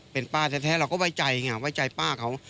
เป็นป้าแท้เราก็ไว้ใจไงไว้ใจป้าเขา